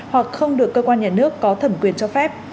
hoặc không được cơ quan nhà nước có thẩm quyền cho phép